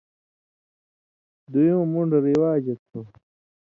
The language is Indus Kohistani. دُویُوں مُون٘ڈ رِواجہ تھو،